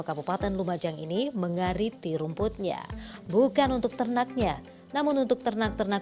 kabupaten lumajang ini mengariti rumputnya bukan untuk ternaknya namun untuk ternak ternak